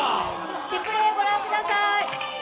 リプレーを御覧ください。